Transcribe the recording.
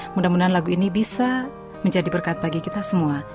mudah mudahan lagu ini bisa menjadi berkat bagi kita semua